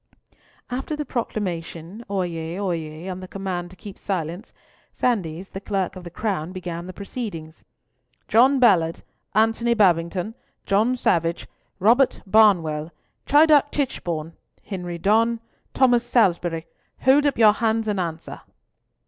After the proclamation, Oyez, Oyez, and the command to keep silence, Sandys, the Clerk of the Crown, began the proceedings. "John Ballard, Antony Babington, John Savage, Robert Barnwell, Chidiock Tichborne, Henry Donne, Thomas Salisbury, hold up your hands and answer."